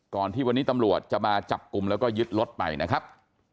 ที่วันนี้ตำรวจจะมาจับกลุ่มแล้วก็ยึดรถไปนะครับ